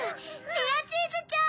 レアチーズちゃん！